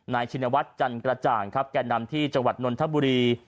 นายชินวัดจันกระจ่างแก่นำที่จังหวัดนทบุรี